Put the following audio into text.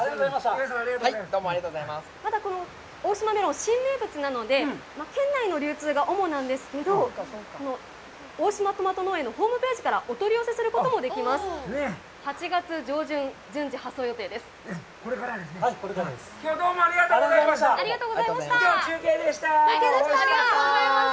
また、この大島メロン新名物なので、県内の流通が主なんですけど、大島とまと農園のホームページからお取り寄せすることもできます。